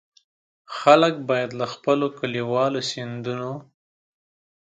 خلک باید له خپلو کلیوالو سیندونو.